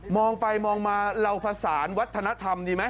มองไปมองมาเราภาษาวัฒนธรรมดีไหม